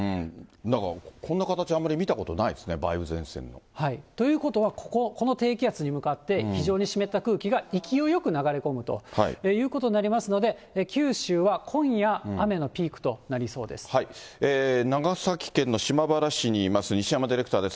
だから、こんな形、あんま見たことないですね、梅雨前線が。ということは、ここ、この低気圧に向かって、非常に湿った空気が勢いよく流れ込むということになりますので、九州は今夜雨のピークとなりそうで長崎県の島原市にいます、西山ディレクターです。